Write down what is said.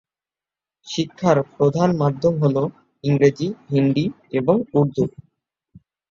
শিক্ষার প্রধান মাধ্যম হ'ল ইংরেজি, হিন্দি এবং উর্দু।